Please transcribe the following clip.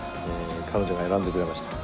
彼女が選んでくれました。